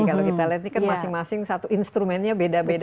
kalau kita lihat ini kan masing masing satu instrumennya beda beda